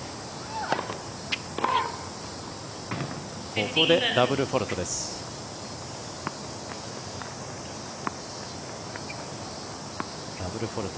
ここでダブルフォールト。